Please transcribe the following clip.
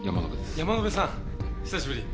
山之辺さん久しぶり。